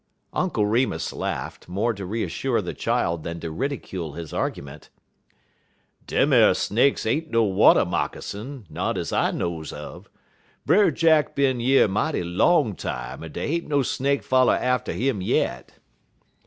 Uncle Remus laughed, more to reassure the child than to ridicule his argument. "Dem ar snakes ain't no water moccasin, not ez I knows un. Brer Jack bin yer mighty long time, en dey ain't no snake foller atter 'im yit."